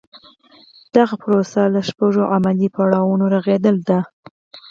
دغه پروسه له شپږو عملي پړاوونو رغېدلې ده.